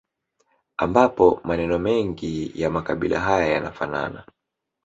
Ambapo maneno mengi ya makabila haya yanafanana